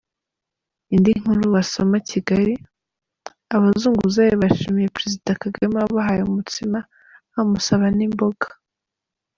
Indi nkuru wasoma Kigali: Abazunguzayi bashimiye Perezida Kagame wabahaye umutsima, bamusaba n’imboga.